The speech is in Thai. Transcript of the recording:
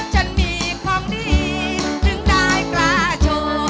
ฉันมีความดีถึงได้กล้าโชว์